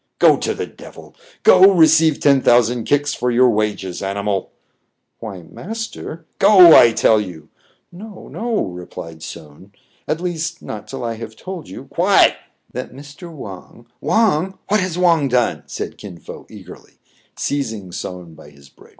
"Go to the devil ! Go, receive ten thousand kicks for your wages, animal !"" Why, master "—" Go, I tell you !" "No, no!" replied Soun, "at least, not till I have told you "— "What.?'' "That Mr. Wang" —" Wang ! what has Wang done }" said Kin Fo eagerly, seizing Soun by his braid.